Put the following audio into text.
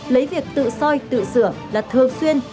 lấy việc tự soi tự sửa là thường xuyên